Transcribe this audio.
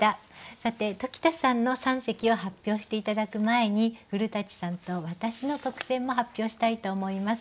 さて鴇田さんの三席を発表して頂く前に古さんと私の特選も発表したいと思います。